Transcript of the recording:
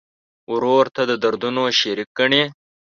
ورور ته د دردونو شریک ګڼې.